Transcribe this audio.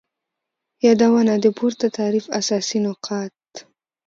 یادونه : د پورته تعریف اساسی نقاط